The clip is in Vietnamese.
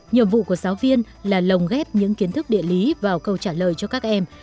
nhiệm vụ của giáo viên là lồng ghép những kiến thức địa lý vào câu trả lời cho các em